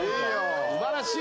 素晴らしい。